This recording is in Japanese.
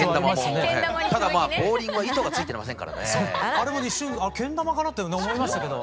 あれも一瞬けん玉かなって思いましたけど。